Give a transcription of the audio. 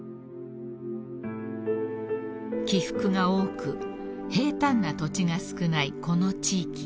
［起伏が多く平たんな土地が少ないこの地域］